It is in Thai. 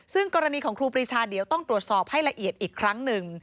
ซึ่งกรณีของครูปรีชาเดี๋ยวต้องตรวจสอบให้ละเอียดอีกครั้งหนึ่ง